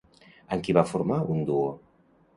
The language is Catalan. Amb qui va formar un duo?